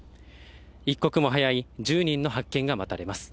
一刻も早い１０人の発見が待たれます。